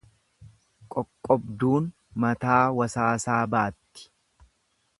Qoqqobduun mutaa wasaasaa baatti.